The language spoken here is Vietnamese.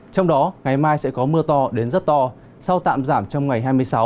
trong đó ngày mai sẽ có mưa to đến rất to sau tạm giảm trong ngày hai mươi sáu